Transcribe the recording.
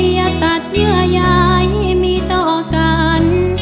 อย่าตัดเยื่อยายมีต่อกัน